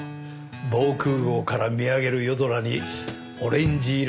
防空壕から見上げる夜空にオレンジ色に光る物体を。